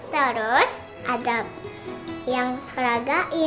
terus ada yang ragain